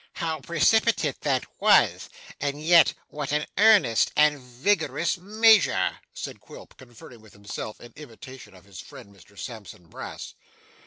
'How precipitate that was, and yet what an earnest and vigorous measure!' said Quilp, conferring with himself, in imitation of his friend Mr Sampson Brass.